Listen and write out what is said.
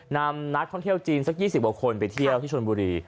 นำนักท่องเที่ยวจีนสัก๒๐กว่าคนไปเที่ยวที่ชนบุรี